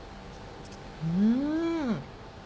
うん。